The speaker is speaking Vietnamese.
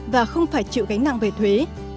và không phải chịu gánh nặng về thuế